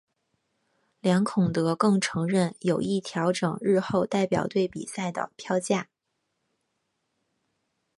梁孔德更承认有意调整日后代表队比赛的票价。